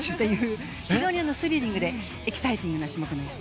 非常にスリリングでエキサイティングな種目です。